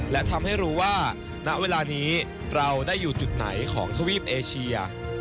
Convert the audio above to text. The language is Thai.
และทำให้รู้ว่าณเวลานี้เราได้อยู่จุดไหนของทวีปเอเชีย